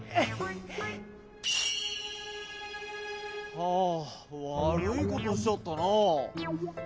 はぁわるいことしちゃったなぁ。